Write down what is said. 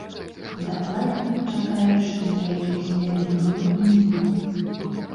Дакладней, чакаюць, што ніякіх змен не было і не будзе.